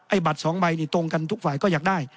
ไอ้บัตร๒ใบตรงกันทุกฝ่ายก็อยากได้